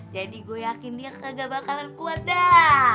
jadi gue yakin dia kagak bakalan kuat dah